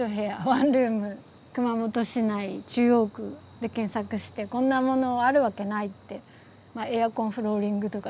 ワンルーム熊本市内中央区で検索してこんなものあるわけないってエアコンフローリングとかですね